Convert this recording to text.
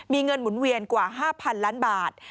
มีเงินหมุนเวียนกว่า๕๐๐๐ล้านบาท